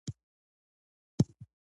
که خوشحال خان ولولو نو توره نه ماتیږي.